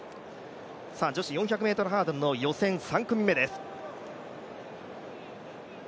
女子４００ｍハードルの予選３組目です。